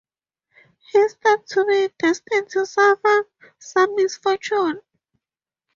He is thought to be destined to suffer some misfortune.